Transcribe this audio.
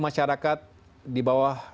masyarakat di bawah